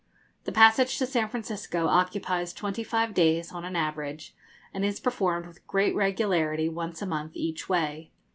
The passage to San Francisco occupies twenty five days on an average, and is performed with great regularity once a month each way.